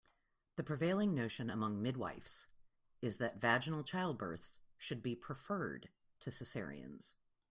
The prevailing notion among midwifes is that vaginal childbirths should be preferred to cesareans.